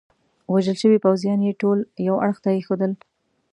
وژل شوي پوځیان يې ټول یوه اړخ ته ایښودل.